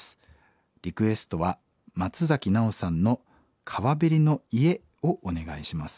リクエストは松崎ナオさんの『川べりの家』をお願いします。